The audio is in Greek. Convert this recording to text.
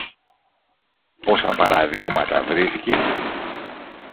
πόσα παραδείγματα βρίσκει!